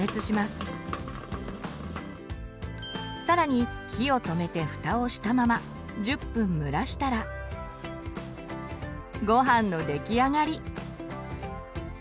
更に火を止めて蓋をしたまま１０分蒸らしたらごはんの出来上がり。